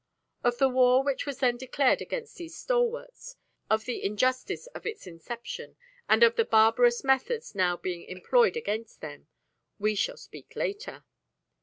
Of the war which was then declared against these stalwarts, of the injustice of its inception, and of the barbarous methods now being employed against them, we shall speak later.